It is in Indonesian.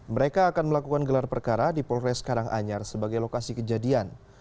mereka akan melakukan gelar perkara di polres karanganyar sebagai lokasi kejadian